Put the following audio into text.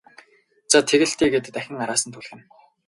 За тэг л дээ гээд дахин араас нь түлхэнэ.